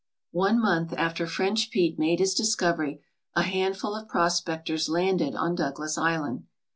One month after French Pete made his discovery a handful of prospectors landed on Douglas Island.